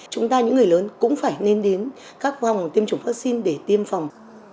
chúng ta những người lớn cũng phải nên đến các vòng tiêm chủng vaccine để tiêm phòng